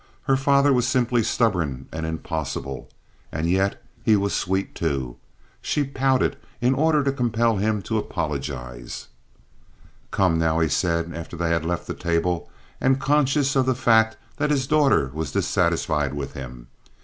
Her father was simply stubborn and impossible. And yet he was sweet, too. She pouted in order to compel him to apologize. "Come now," he said, after they had left the table, and conscious of the fact that his daughter was dissatisfied with him.